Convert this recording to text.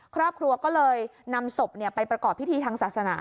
ครอบครัวก็เลยนำศพไปประกอบพิธีทางศาสนา